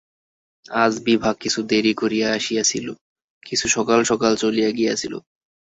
আজ বিভা কিছু দেরি করিয়া আসিয়াছিল, কিছু সকাল সকাল চলিয়া গিয়াছিল।